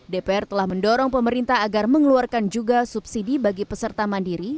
dpr telah mendorong pemerintah agar mengeluarkan juga subsidi bagi peserta mandiri